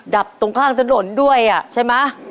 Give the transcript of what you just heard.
ดับตรงข้างถนนด้วยอ่ะใช่มั้ย